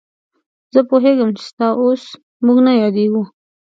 زه پوهېږم چې ستا اوس موږ نه یادېږو.